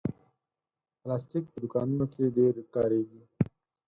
پلاستيک په دوکانونو کې ډېر کارېږي.